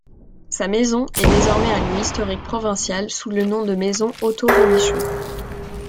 Sa maison est désormais un lieu historique provincial, sous le nom de maison Otho-Robichaud.